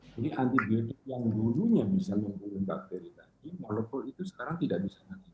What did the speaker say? jadi antibiotik yang dulunya bisa menggunakan bakteri tadi molekul itu sekarang tidak bisa menggunakan